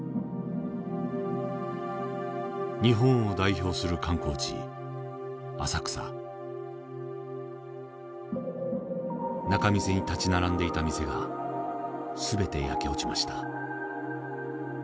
日本を代表する観光地仲見世に立ち並んでいた店が全て焼け落ちました。